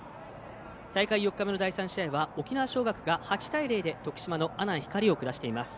大会４日目の第３試合は沖縄尚学が８対０で徳島の阿南光を下しています。